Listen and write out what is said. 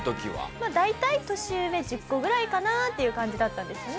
まあ大体年上１０個ぐらいかなっていう感じだったんですね？